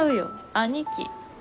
兄貴。